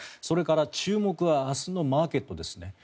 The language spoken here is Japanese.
それから注目は明日のマーケットですね。